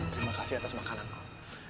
terima kasih atas makananku